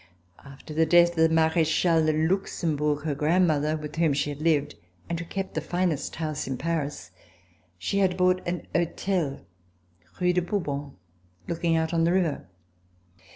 After the death of the Marechale de Luxembourg, her grandmother, with whom she had lived, and who kept the finest house in Paris, she had bought a hotel. Rue de Bourbon, looking out on the river.